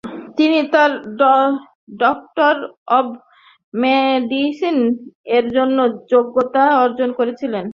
তিনি তার doctor of মেডিসিন-এর জন্য যোগ্যতা অর্জন করেছিলেন ।